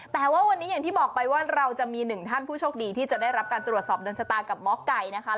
แต่ว่าวันนี้อย่างที่บอกไปว่าเราจะมีหนึ่งท่านผู้โชคดีที่จะได้รับการตรวจสอบโดนชะตากับหมอไก่นะคะ